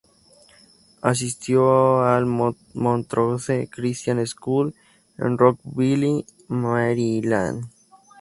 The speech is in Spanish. Asistió al "Montrose Christian School" en Rockville, Maryland.